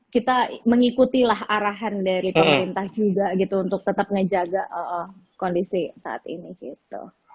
kita mengikutilah arahan dari pemerintah juga gitu untuk tetap ngejaga kondisi saat ini gitu